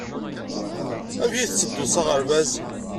Amek ay tettedduḍ s aɣerbaz?